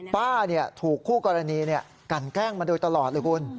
ป้าถูกคู่กรณีกันแกล้งมาโดยตลอดเลยคุณ